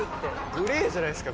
グレーじゃないですか？